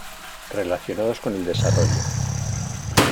Relacionados con el desarrollo